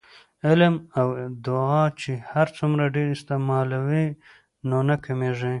علم او دعاء چې هرڅومره ډیر استعمالوې نو نه کمېږي